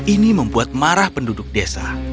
ini membuat marah penduduk desa